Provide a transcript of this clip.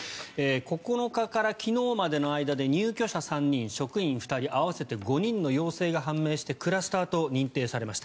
９日から昨日までの間で入居者３人、職員２人合わせて５人の陽性が判明してクラスターと認定されました。